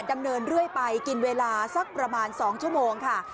ดำเนินเรื่อยไปกินเวลาสักประมาณ๒ชั่วโมงค่ะ